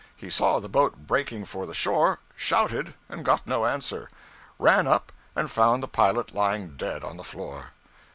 He saw the boat breaking for the shore; shouted, and got no answer; ran up, and found the pilot lying dead on the floor.